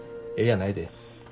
やないで。